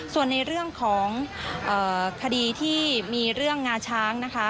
ส่วนในเรื่องของคดีที่มีเรื่องงาช้างนะคะ